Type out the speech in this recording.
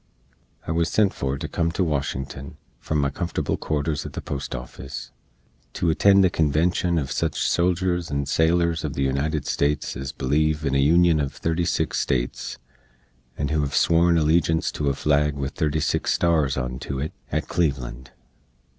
I wuz sent for to come to Washington, from my comfortable quarters at the Post Offis, to attend the convenshun uv sich soldiers and sailors uv the United States ez bleeve in a Union uv 36 States, and who hev sworn allejinse to a flag with 36 stars onto it, at Cleveland.